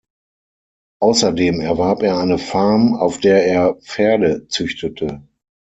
Außerdem erwarb er eine Farm, auf der er Pferde züchtete.